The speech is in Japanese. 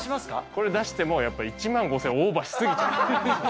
これ出しても、１万５０００円、オーバーし過ぎちゃう。